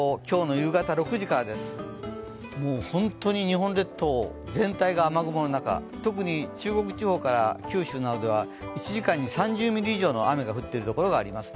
本当に日本列島全体が雨雲の中、特に中国地方から九州などでは１時間に３０ミリ以上の雨が降っている所があります。